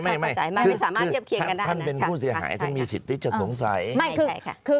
ไม่ไม่ไม่คือท่านเป็นผู้เสียหายถ้ามีสิทธิ์ที่จะสงสัยไม่คือ